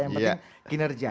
yang penting kinerja